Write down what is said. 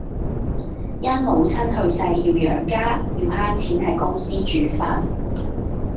因母親去世要養家，要慳錢喺公司煮飯